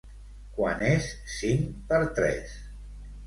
Quant és cinc per tres.